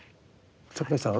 櫻井さん